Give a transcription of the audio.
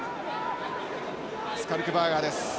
スカルクバーガーです。